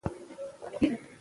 ځنګل د اقلیم توازن ساتي.